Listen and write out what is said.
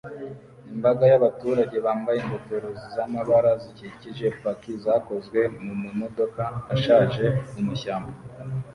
Imbaga yabaturage bambaye ingofero zamabara zikikije paki zakozwe mumamodoka ashaje mumashyamba